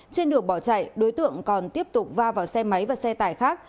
trên đường bỏ chạy đối tượng còn tiếp tục va vào xe máy và xe tải khác